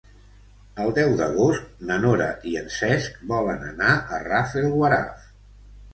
El deu d'agost na Nora i en Cesc volen anar a Rafelguaraf.